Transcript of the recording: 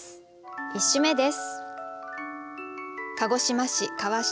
１首目です。